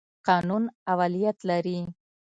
قانون اولیت لري.